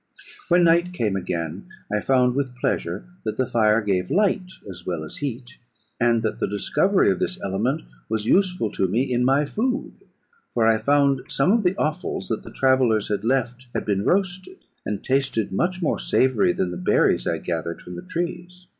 When night came again, I found, with pleasure, that the fire gave light as well as heat; and that the discovery of this element was useful to me in my food; for I found some of the offals that the travellers had left had been roasted, and tasted much more savoury than the berries I gathered from the trees.